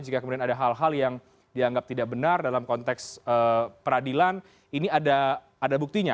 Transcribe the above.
jika kemudian ada hal hal yang dianggap tidak benar dalam konteks peradilan ini ada buktinya